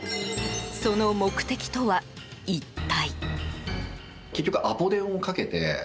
その目的とは一体。